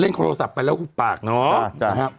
เล่นข้อโทรศัพท์ไปแล้วปากเนอะ